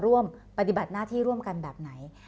ร่วมปฏิบัติหน้าที่ร่วมกันแบบไหน